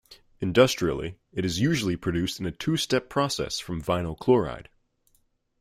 Industrially, it is usually produced in a two-step process from vinyl chloride.